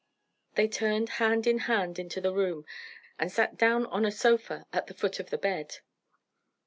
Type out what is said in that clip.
They turned hand and hand into the room, and sat down on a sofa at the foot of the bed.